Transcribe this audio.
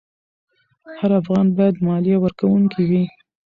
هر افغان باید مالیه ورکوونکی وي.